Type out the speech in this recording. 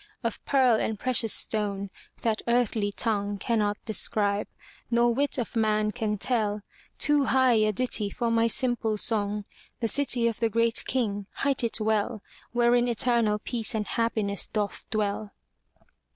Of pearl and precious stone, that earthly tongue Cannot describe, nor wit of man can tell; Too high a ditty for my simple song, The City of the Great King, hight it well Wherein eternal peace and happiness doth dwell.